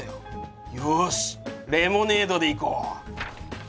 よしレモネードでいこう。